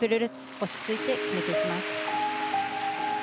落ち着いて決めていきます。